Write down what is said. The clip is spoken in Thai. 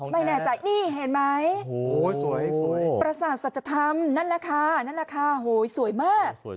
ไม่แน่ใจนี่เห็นไหมโอ้โหสวยประสาทสัจธรรมนั่นแหละค่ะนั่นแหละค่ะโหยสวยมาก